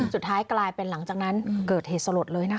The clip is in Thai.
สุดท้ายกลายเป็นหลังจากนั้นเกิดเหตุสลดเลยนะคะ